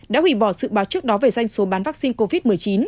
đã hủy bỏ sự báo trước đó về doanh số bán vaccine covid một mươi chín